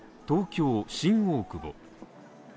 東京・新大久保。